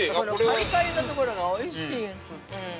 カリカリのところがおいしい。